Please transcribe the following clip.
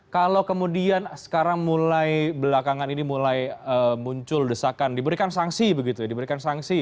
kalau kemudian sekarang mulai belakangan ini mulai muncul desakan diberikan sanksi begitu ya diberikan sanksi